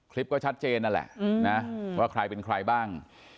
คลิปก็ชัดเจนนั่นแหละนะว่าใครเป็นใครบ้าง